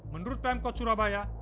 menurut pemkot surabaya